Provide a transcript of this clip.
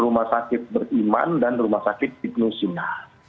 rumah sakit beriman dan rumah sakit dignusina